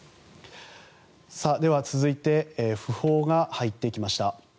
では、続いて訃報が入ってきました。